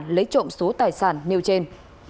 lấy trộm số tài sản nêu trên